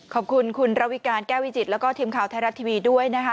ขอบคุณคุณระวิการแก้ววิจิตแล้วก็ทีมข่าวไทยรัฐทีวีด้วยนะคะ